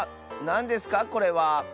なんですかこれは？